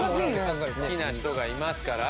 好きな人がいますから。